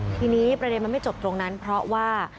ทีนี้ประเด็นมันไม่จบตรงนั้นเพราะว่า